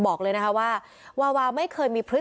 พี่น้องวาหรือว่าน้องวาหรือ